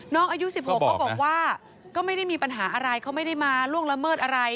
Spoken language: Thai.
อายุ๑๖ก็บอกว่าก็ไม่ได้มีปัญหาอะไรเขาไม่ได้มาล่วงละเมิดอะไร